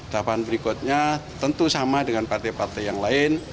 tahapan berikutnya tentu sama dengan partai partai yang lain